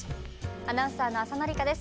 アナウンサーの浅野里香です。